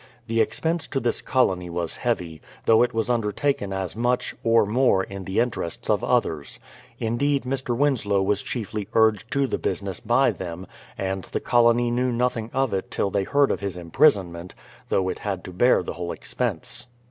The expense to this colony was heavy, though it was undertaken as much, or more, in the interests of others. Indeed, Mr. Winslow was chiefly urged to the business by them, and the colony knew nothing of it till they heard of his imprisonment, though it had to bear the whole expense.